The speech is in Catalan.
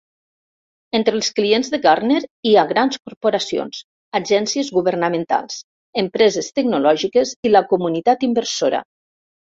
Entre els clients de Gartner hi ha grans corporacions, agències governamentals, empreses tecnològiques i la comunitat inversora.